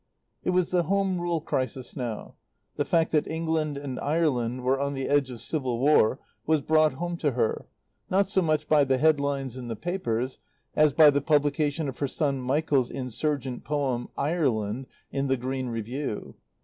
It was the Home Rule crisis now. The fact that England and Ireland were on the edge of civil war was brought home to her, not so much by the head lines in the papers as by the publication of her son Michael's insurgent poem, "Ireland," in the Green Review.